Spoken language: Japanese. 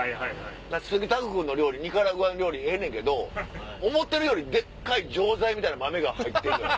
鈴木拓君のニカラグア料理ええねんけど思てるよりでっかい錠剤みたいな豆が入ってんの。